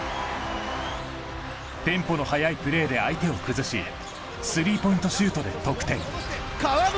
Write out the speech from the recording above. テンポの速いプレーで相手を崩しスリーポイントシュートで得点河村